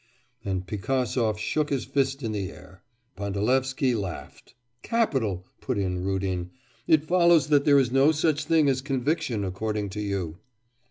And Pigasov shook his fist in the air. Pandalevsky laughed. 'Capital!' put in Rudin, 'it follows that there is no such thing as conviction according to you?